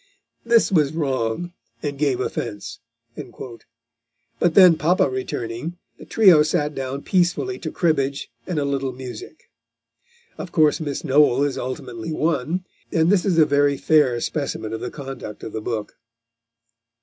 This was wrong, and gave offence," but then papa returning, the trio sat down peacefully to cribbage and a little music. Of course Miss Noel is ultimately won, and this is a very fair specimen of the conduct of the book.